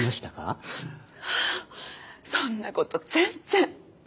そんなこと全然。